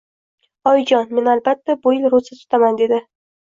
Oyijon, men, albatta, bu yil ro`za tutaman, dedi